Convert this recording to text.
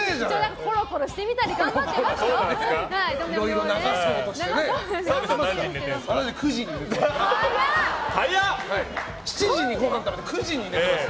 コロコロしてみたり頑張ってますよ！